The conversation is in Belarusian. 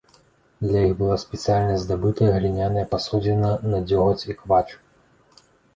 Для іх была спецыяльна здабыта гліняная пасудзіна на дзёгаць і квач.